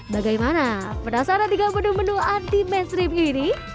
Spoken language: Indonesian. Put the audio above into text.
bagaimana penasaran dengan menu menu anti mainstream ini